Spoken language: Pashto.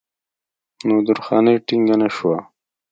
نو درخانۍ ټينګه نۀ شوه